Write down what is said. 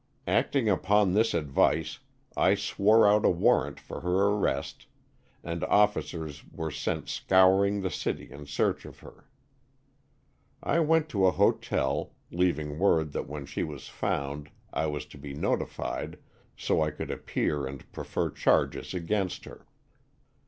Acting upon his advice I swore out a warrant for her arrest, and officers were sent scouring the city in search of her. I went to a hotel, leaving word that when she was found I was to be notified so I could appear and prefer charges against her.